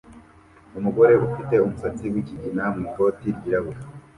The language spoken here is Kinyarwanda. Umugore ufite umusatsi wikigina mwikoti ryirabura